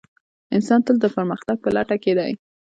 انسان تل د پرمختګ په لټه کې دی.